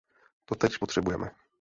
To teď potřebujeme.